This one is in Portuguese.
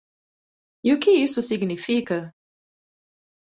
E o que isso significa?